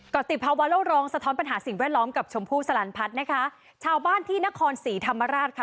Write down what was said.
ก็ติดภาวะโลกร้องสะท้อนปัญหาสิ่งแวดล้อมกับชมพู่สลันพัฒน์นะคะชาวบ้านที่นครศรีธรรมราชค่ะ